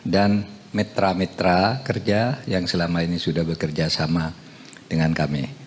dan mitra mitra kerja yang selama ini sudah bekerja sama dengan kami